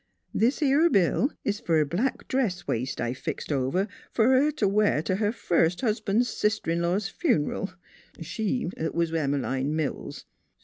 This 'ere bill is fer a black dress waist I fixed over fer her t' wear to her first husban's sister in law's fun'ral. 6 NEIGHBORS She 't was Em'line Mills.